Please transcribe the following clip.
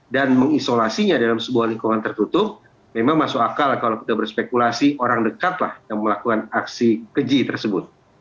dan mengisolasinya dalam sebuah lingkungan tertutup memang masuk akal kalau kita berspekulasi orang dekatlah yang melakukan aksi keji tersebut